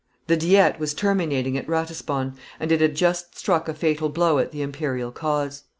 The diet was terminating at Ratisbonne, and it had just struck a fatal blow at the imperial cause.